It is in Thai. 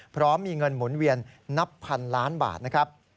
พร้อมมีเงินหมุนเวียนนับพันล้านบาทนะครับ